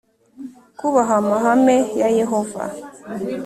kubaha amahame ya Yehova